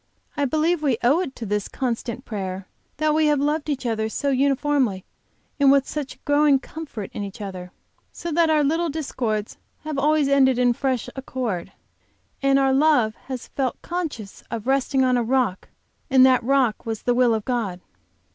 I believe we owe it to this constant prayer that we have loved each other so uniformly and with such growing comfort in each other; so that our little discords always have ended in fresh accord, and our love has felt conscious of resting on a rock and that that rock was the will of God."